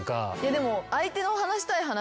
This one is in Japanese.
でも。